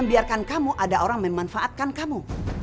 tidak tolong aku